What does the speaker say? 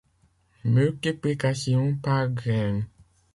Multiplication par graines.